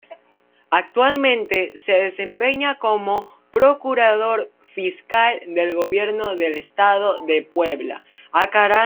Actualmente se desempeña como Procurador Fiscal del Gobierno del Estado de Puebla.